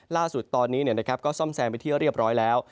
ล่าสุดตอนนี้ก็ซ่อมแซมไปที่เรียบร้อยแล้ว